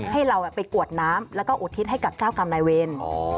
ให้เราไปกวดน้ำแล้วก็อุทิศให้กับเจ้ากรรมนายเวร